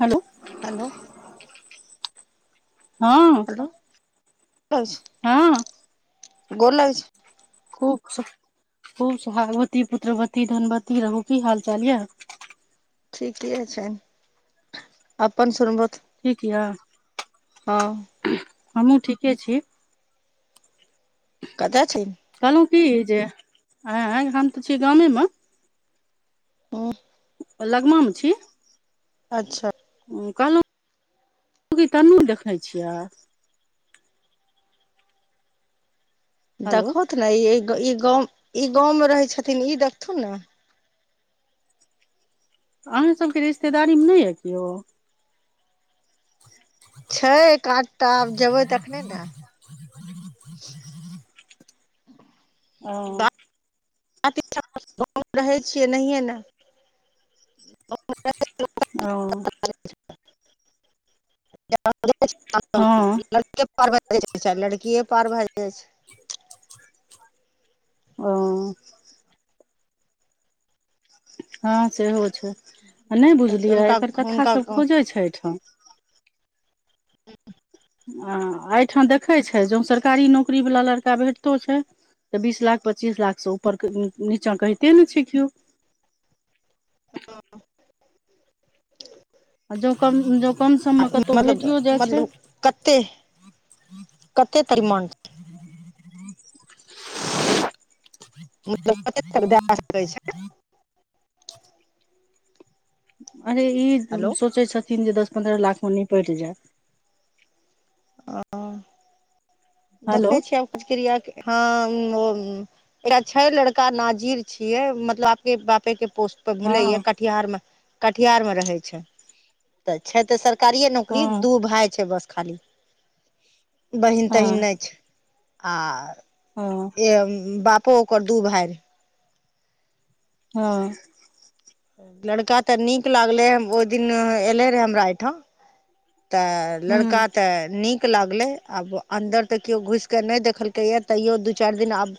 Hello hello हँ [unintelligible] हँ गोर लागै छी खूब खुश खूब सोहागवती पुत्रवती धनवती रहु की हाल चाल यऽ ठीके छनि अपन सुनबौथ ठीक हँ यए हमहूँ ठीके छी कतऽ छ कहलु की जे आँय हम तऽ छी गामेमे हु लगमामे छी अच्छा कहलहुँ तन्नू देखने छियै हेलो देखहौथ ने ई ई गाँव ई गाँवमे रहै छथिन ई देखथुन न अहाँसभके रिश्तेदारीमे नहि यऽ केओ छै एक आधटा जेबै तखने न [unintelligible] गाँममे रहै छियै नहिए ने [unintelligible] [unintelligible] पार भए जा छै हँ लड़कि पार भए जाइ छै ओ हँ सेहो छै आ नहि छै बुझलियै हुनका एकर कथा हुनका सभ खोजै छै एहिठाम आ एहिठाम देखै छै जौ सरकारी नौकरी वाला लड़का भेटतो छै तऽ बीस लाख पच्चीस लाखसँ ऊपर नीचाँ कहिते नहि छै केओ आ जौ कम जौ कम सममे कतौ मतलब भेटियो जाय छै मतलब कते कते तक मांग छै मतलब कते तक दए सकय छै अरे हेलो ई सोचै छथिन जे दस पन्द्रह लाख मे निपटि जाय ओ हेलो देखै छियै आ प्रक्रिया हँ ओ एक छै लड़का नाजिर छीयै मतलब आप के बापे के पोस्ट भेलै ये हँ कटिहारमे कटिहार मे रहै छै तऽ छै तऽ सरकारिये नौकरी हँ दू भाय छै बस खाली बहिन तहि नहि छै आ ओ ए बापो, ओकर दू भाय रहै। हँ लड़का तऽ नीक लागलै, ओहि दिन एले रहै हमरा एहि ठाम। तऽ हूँ लड़का तऽ नीक। कऽ लागलै, आब अन्दर तऽ केओ घुसि कऽ नहि देखलकै यै, तैयो दू चारि दिन आबै।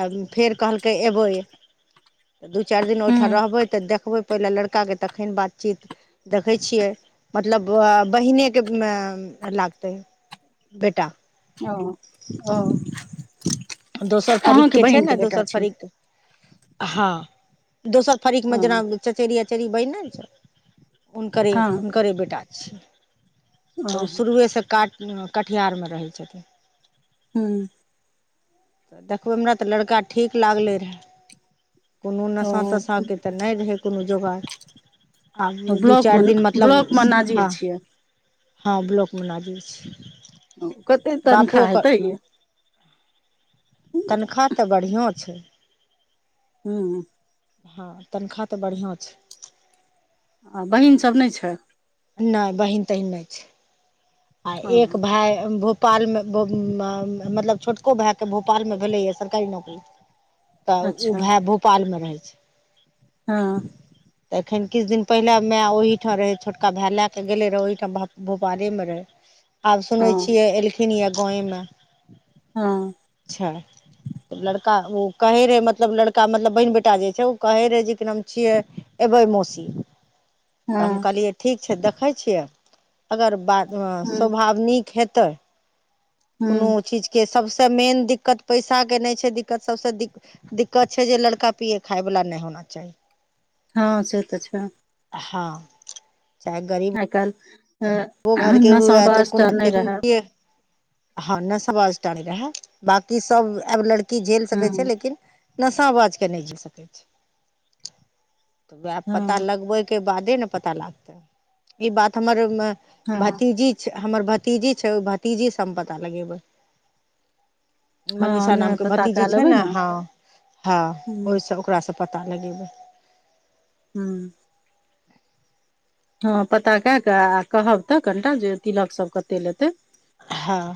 आ फेर कहलकै, अयबै दू चारि दिन ओहिठाम हूँ रहबै तऽ देखबै। पहिने लड़का के तखन बातचीत देखै छियै, मतलब आ। बहिनके लगतै हऽ बेटा। ओ ओ दोसर अहाँके फरीकके छै बहिनके ने, बेटा दोसर छै फरीक हँ, दोसर। फरीकमे हँ जेना चचेरी अचेरी बहिन नहि छै, हुनकरे हँ हुनकरे बेटा छियै। तऽ ओ शुरुएसँ कटिहारमे रहै छथिन। हूँ तऽ देखबै, हमरा तऽ लड़का ठीक लागलै रहे, कोनो ओ नशा तशा के तऽ। नहि रहै कोनो जोगाड़। आब दू चारि ब्लॉकमे दिन मतलब ब्लॉकमे नाजिर हँ। छियै हँ, ब्लॉकमे नाजिर छै। कते बापो तनखाह ओकर हेतै य? तनखाह तऽ बढ़िऑं छै। हू हँ, तनख्वाह तऽ बढ़िआँ छै। आ बहीन सभ नहि छै? नहि, बहिन तहिन नहि छै, आ ओ एक भाय भऽ। पालमे भऽ, मतलब छोटका भाइके भोपालमे भेलैए सरकारी नौकरी। तऽ ओ अच्छा भाय भोपालमे रहै छै। हँ [inaudible] तऽ एखन किछु दिन पहिले माय ओहिठाम रहै, छोटका भाइ लए कऽ गेलै रहऽ, ओहिठाम भोपालमे रहै। आब ओ सुनै छियै, एलखिन ये गामे मे। हँ अच्छा लड़का ओ कहै रहै, मतलब लड़का, मतलब बहिन बेटा जे छै, ओ कहैत रहै जे कि नाम छियै। एबय मोसी तऽ हम हँ कहलियै, ठीक छै, देखै छियै अगर बात हूँ स्वभाव नीक हेतै। कोनो हूँ चीजके सभसँ मेन दिक्कत पैसाके नहि छै, दिक्कत सभसँ दिक्। दिक्कत छै जे लड़का पियै खायवला नहि होना चाही। हँ से तऽ छै। हँ चाहे गरीब आइ काल्हि तऽ नशाबाज कोनो नहि रहै। लेकिन हँ, नशबाज तऽ नहि रहै, बाकी सभ आब लड़की झेलि सकैत छै हूँ लेकिन। नशाबाज के नहि जी सकै छै, वएह पता हँ लगबे के। बऽ, पहिले ई बात हमर हँ भतीजी। हमर भतीजी छै ओ, भतीजीसँ हम पता लगेबै। हँ मनीषा नहि नामके पता भतीजी कए छै लेबै ने, हँ हँ, हूँ ओहिसँ। ओकरासँ पता लगेबै। हू हँ, पता कऽ कऽ आ कहब तऽ कनिटा जे तिलक सभ कते लेतै। हँ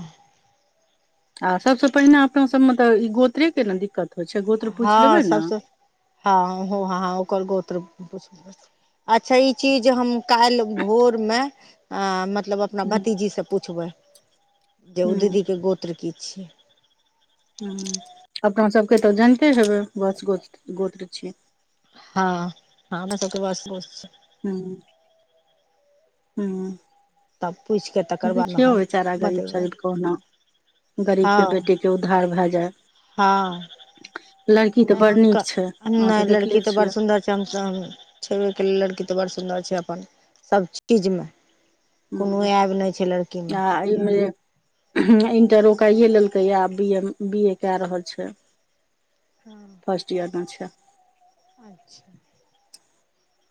आ सभसँ पहिने अपना सभमे तऽ ई गोत्रे के ने दिक्कत होइ छै, गोत्र पूछि हँ लेबै ने। सभसँ हँ हँ हँ, ओकर गोत्र। अच्छा ई चीज हम काल्हि भोर मे अ मतलब अपना हूँ भतीजी सँ पूछबै जे ओ हूँ दीदी के गोत्र की छियै हूंम्म अपना सबके तऽ जानिते हेबै बत्स गोत्र गोत्र छियै हँ हँ त [unintelligible] सबके बस ब हूंम्म तब पूछि कऽ हूंम्म तकर बादमे देखियौ हम बेचारा गरीब बतेबै शरीब कहुना हँ गरीबके बेटीके उद्धार भए जाय हँ लड़की तऽ नहि बड़ हुनका नीक छै अहाँ नहि तऽ लड़की देखले तऽ बड़ छियै सुन्दर चमसम छेबेके लेल लड़की तऽ बड़ सुन्दर छै अपन सब चीजमे कोनो हूँ एब नहि छै लड़कीमे आ इमे इंटरो ओ काइए लेलकैए आब बी ए बी ए कए रहल छै हँ फर्स्ट ईयर मे छै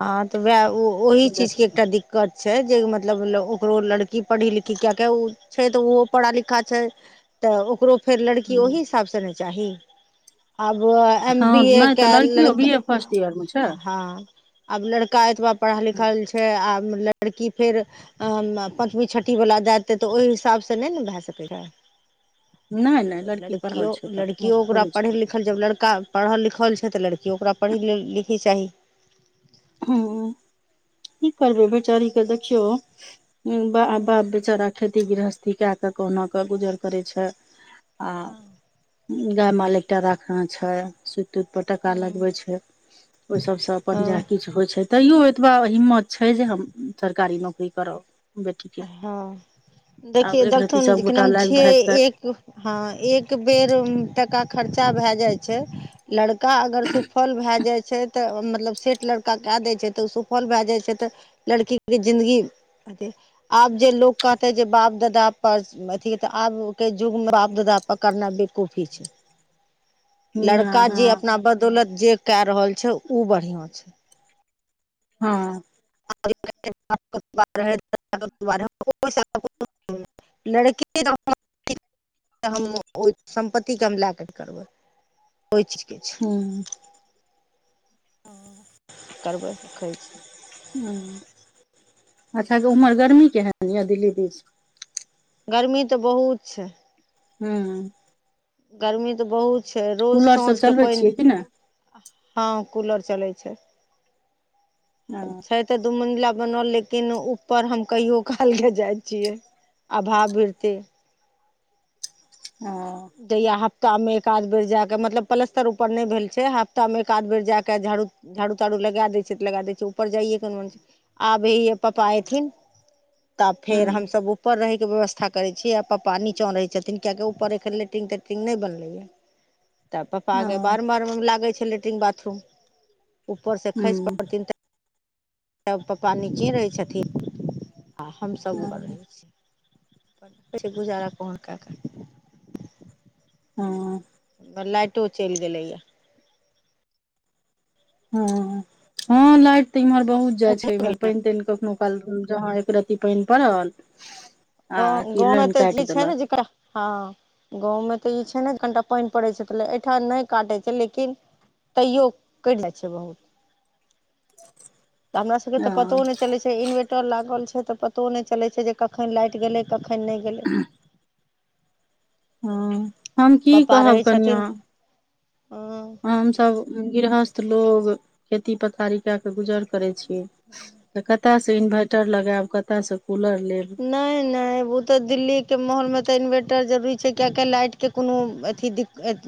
हँ तऽ वएह ओहि चीज के एकटा दिक्कत दिक्कत छै जे मतलब ओकरो लड़की पढ़ी लिखी कए के ओ छै तऽ ओहो पढ़ा लिखा छै तऽ ओकरो फेर लड़की ओहि हिसाब से ने चाही आब एम हँ बी ए नहि तऽ के ल लड़कियो हँ बी ए फर्स्ट ईयर मे छै [unintelligible] आब लड़का एतबा पढ़ल लिखल छै आब लड़की फेर पंचमी छठी वला जाय देै तऽ ओहि हिसाबसँ नहि ने भए सकै छै नहि नहि तऽ लड़की लड़कियो पढ़ल छै तऽ लड़कियो मूर्ख ओकरा थोड़े पढ़ लिख छै लिखल जब लड़का पढ़ल लिखल छै तऽ लड़की ओकरा पढ़ी लिखै चाही हूंम्म की करबै बेचारीके देखियौ बर बाप हूँ बेचारा खेती गृहस्थी कए कऽ कहुना कऽ गुजर करै छै आ हँ गाय माल एकटा राखना छै दूध पटकका लगवे छै ओ सब से अपन जा हँ तैयो एतबा हिम्मत छै जे हम सरकारी नौकरी करब बेटी के हँ आब देखियै एक रती देखथुन के सबगोटा नाम लागि छियै भागि कऽ एक हँ एक बेर टाका खर्चा भए जाइत छै लड़ का अगर सुफल भए जाइ छै तऽ मतलब सेठ लड़का कए दै छै तऽ ओ सुफल भए जाइ छै तऽ लड़की के जिंन्दगी आब जे लोग कहतेै जे बाप दाद पर अथी तऽ आब के युग मे बाप ददा पर करनाइ बेकूफी छै हँ लड़का जे हँ अपना बदौलत जे क रहल छै ओ बढ़ियाँ छै हँ [unintelligible] [unintelligible] लड़की त हम ओहि सम्पत्तिके हम लए कऽ करबै ओहि चीजके छै किछु हूंम्म हँ करबै रखै छी हूंम्म अच्छा उम्हर गर्मी केहन यऽ दिल्ली दिस गरमी तऽ बहुत छै हूंम्म गर्मी तऽ बहुत छै रोज कूलर सब साँझके चलबै पानि छियै कि नहि हँ कूलर चलै ओ छै तऽ दू मंजिल बनल लेकिन ऊपर हम कहियो काल के जाय छियै आधा भीरतै ओ जहिया हफ्ता मे एकाध बेर जायाक मतलब पलस्तर ऊपर नहि भेल छै हफ्ता मे एकाध बेर जाक झाड़ू झाड़ू तारू लगा दै छै तऽ लगा दै छै ऊपर जाइयके आब ए पप्पा एथिन तब फेर हूँ हमसभ ऊपर रहे के व्यवस्था करे छीयै आ पापा नीचाँ रहै छथिन कियाकि ऊपर एखन लेटिंग टेटिंग नहि बनले या त पप्पा ओ के बारम बार लागै छै लेट्रिन बाथरूम उपर से खसि हूँ पड़थिन तऽ तब पप्पा निचे रहै छथिन आ हमसभ उपर हँ रहै छी कहै छै गुजारा कोन करथिन हँ कऽ लाइटो चलि गेलैएा हँ हँ लाइट तऽ इमहर बहुत जाय छै इमहर पानि तानि कखनो कल जहाँ एकरति पानि पड़ल आ गाँव कि गाँवमे ए लाइन ते काटि चीज छै ने देलक जेकरा हँ गाँवमे तऽ ई छै ने कनिटा पानि पड़ैत छै तऽ एहिठाम नहि काटैत छै लेकिन तैयो कटि जाय छै बहुत त हमरा सबके तऽ पतो हँ नहि चलै से इन्वेटर लागल छै तऽ पतो नहि चलै छै जे कखन लाइट गेलै कखन नहि गेलै ह हँ हम की पप्पा कहब रहै कनिआ छथिन हँ हम सब गृहस्थ लोग खेती पथारी के के गुजर करै छी तऽ कतऽसँ इन्वर्टर लगायब कतऽसँ कूलर लेब नहि नहि ओ तऽ दिल्लीके माहौलमे तऽ इन्वर्टर जरूरी छै किएकि लाइटके कोनो अथी दिक्कत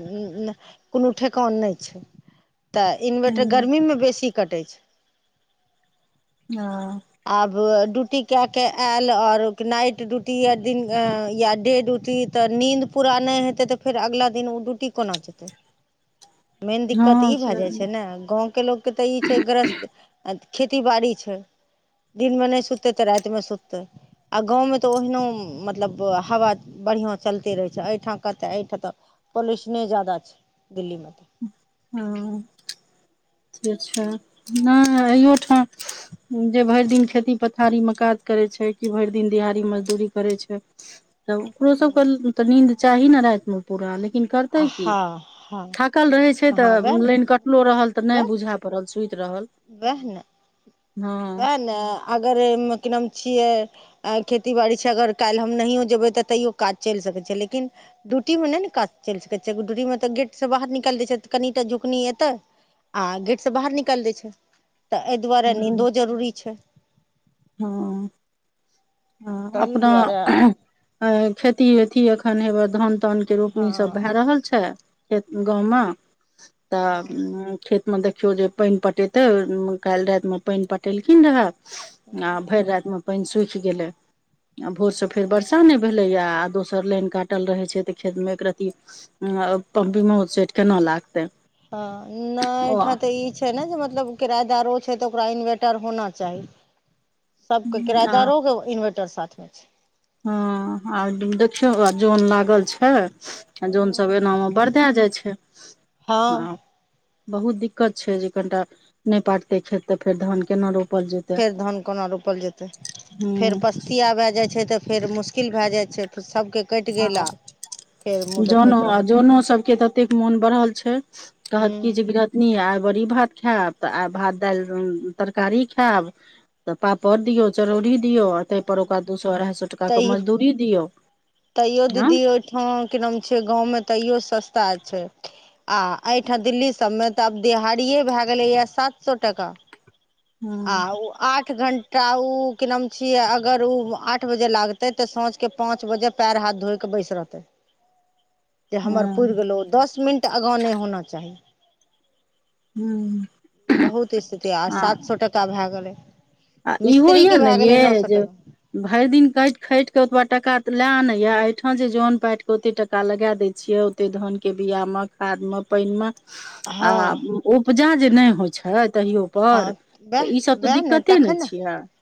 कोनो ठेकान नहि छै तऽ इन्वर्टर गर्मीमे बेसी कटै छै ह आब ड्यूटी केए के आयल आओर नाइट ड्यूटी य दिन या डे ड्यूटी तऽ नींद पूरा नहि हेते तऽ फेर अगिला दिन ओ ड्यूटी कोना जेतै मेन दिक्कत हँ ई भए से जाय छै ने गाँवके लोकके तऽ ई छै ग्रस्थ खेती बाड़ी छै दिन में नहि सुते ते राति में सुते तऽ आ गाँवमे तऽ ओहिनो मतलब हवा बढ़िआँ चलिते रहै छै एहिठाम कहतय एहिठाम तऽ पॉल्यूशने जादा छै दिल्लीमे तऽ ह से छै नहि अयोठाम [unintelligible] जे भरि दिन खेती पथारीमे काज करै छै कि भरि दिन दिहाड़ी मजदूरी करै छै तऽ ओकरो सबके हूँ। तऽ नींन्द चाही ने रातिमे लेकिन करतै कि हँ हँ थाकल रहै छै त कहाँ करतय वएह कि ने लाइन कटलो रहल त नहि बुझलक वएह बुझा पड़ल सुति रहल वएह ने हँ वएह ने अगर की नाम छियै खेतीबाड़ी छै अगर काल्हि हम नहिओ जेबै तऽ तैयओ काज चलि सकै छै लेकिन डूटीमे नहि ने काज चलि सकै छियैगो डियूटीमे तऽ गेट से बाहर निकालि दै छै कनिटा झुकनी एतै आ गेट से बाहर निकालि दैय छै तऽ एहि दुआरे नींदो जरूरी छै हँ हँ ताहि अपना दुआरे खेती अेती एखन हेर धान तानके रोपनीसभ हँ भए रहल छै खेत गाँवमे हँ तऽ खेती मे देखियौ जे पानि पटेतै काल्हि राति मे पानि पटेलखिन रहए आ भरि राति में पानि सुखि गेले आ भोर से फेर वर्षा नहि भेलैया आ दोसर लाइन काटल रहै छै तऽ खेतमे एक रती पंपी मे सेट केना लागतै ह नहि ओ ठाम त ई छै छै ने जे मतलब किरायेदारो छै तऽ ओकरा इन्वर्टर होना चाही सबके आ किरायेदारोक के इन्वर्टर साथमे छै हँ आ देखियौ जन लागल छै छै आ जनसभ एनामे बरदए जाइ छै हँ ह बहुत दिक्कत छै जे कनिटा नहि पाटते खेत तऽ फेर धान केना रोपल जेतै फेर धान कोना रोपल जेतै फेर हूँ पस्तिया भए जाइ छै तऽ फेर मुश्क मुश्किल भए जाइ छै त सभके कटि आ गेला जनो आ जनो सबके ततेक मोन बढ़ल छै कहत हूँ की जे गिृहथ आइ बड़ी भात खायब तऽ आइ भात दालि तरकारी खायब तऽ पापड़ दियौ चरौड़ी दियो ताहि पर ओकरा दू सए अढ़ाई सए टका के तैयो मजदूरी दियौ तैयो हँ दीदी ओहिठाम की नाम छै गाँवमे तैयो सस्ता छै आ एहिठाम दिल्ली सभमे तऽ आब देिहाड़िए भए गेलैए सात सए टका आ हँ ओ आठ घण्टा ओ क नाम छियै अगर ओ आठ बजे लागतै तऽ साँझके पाँच बजे पैर हाथ धोय के बैस रहतै जे हँ हमर पुरि गेलहु दस मिनट आगाँ नहि होना चाही हँ बहुत स्थिति आ सात सए टाका भए गेलै आ इहो मिस्त्री यऽ के ने भए गेलै नौ ये सौ जे टका भरि दिन कटि खाटि कऽ ओतबा टाका तऽ लए आनैय एहिठाम जे जन पाटि कऽ ओते टाका लगा दै छियै ते धान के बिया मे खाद मे पानि मे आ हँ उपजा जे नहि होइ छै तहियो पर तऽ ई सब तऽ दिक्कत तखैन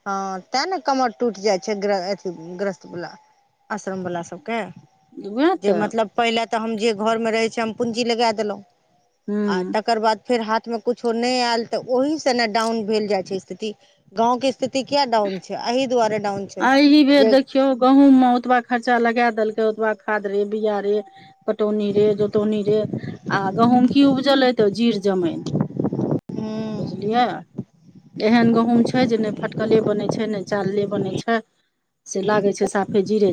हँ तैं ने कमर टूटि जाइ छै अथी ग्रस्त बला आश्रम वला सभके उएह जे तऽ मतलब पहिले तऽ हम जे घरमे रहै छै हम पूंजी लगा देलहुँ आ हूँ तकर बाद फेर हाथ मे कुछो नहि आयल त ओहि से ने डाउन भेल जाय छै स्थिति गांव के स्थिति किया डाउन छै ए दुआरे डाउन छै एहि बेर जे देखियौ गहूंम मे ओतबा खर्चा लगा देलकै ओतबा खाद रे बिया रे पटौनी रे जोतौनी रे आ गहूँम की उपजले तऽ जीर जमाइन हूँ बुझलियै एहन गहूंम छै जे ने फटकले बने छै ने चालले बने छै से लागे छै साफे जीरे